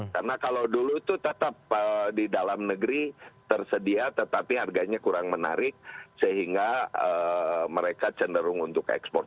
karena kalau dulu itu tetap di dalam negeri tersedia tetapi harganya kurang menarik sehingga mereka cenderung untuk ekspor